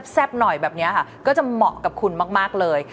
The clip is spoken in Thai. หน่อยแบบนี้ค่ะก็จะเหมาะกับคุณมากเลย